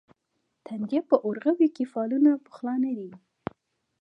تندیه په اورغوي کې فالونه پخلا نه دي.